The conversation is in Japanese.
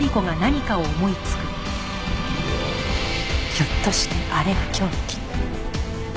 ひょっとしてあれが凶器。